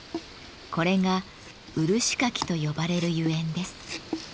これが漆かきと呼ばれるゆえんです。